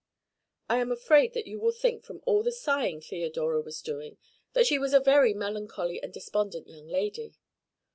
I am afraid that you will think from all the sighing Theodora was doing that she was a very melancholy and despondent young lady.